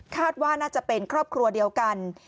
ว่าน่าจะเป็นครอบครัวเดียวกัน